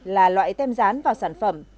là loại tem dán vào sản phẩm